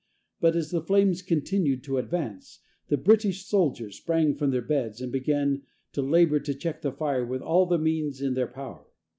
But as the flames continued to advance, the British soldiers sprang from their beds and began to labor to check the fire with all the means in their power.